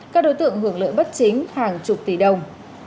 các đối tượng hưởng lợi bất chính hàng chục tỷ đồng